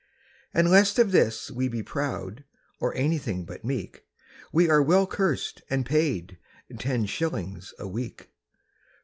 "And lest of this we be proud Or anything but meek, We are well cursed and paid— Ten shillings a week!"